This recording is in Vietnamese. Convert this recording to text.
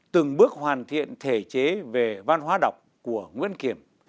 từng bước hoàn thiện thể chế về văn hóa đọc của nguyễn kiểm